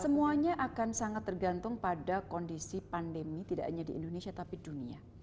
semuanya akan sangat tergantung pada kondisi pandemi tidak hanya di indonesia tapi dunia